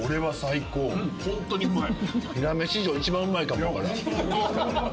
うんホントにうまい。